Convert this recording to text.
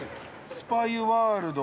スパ湯ワールド。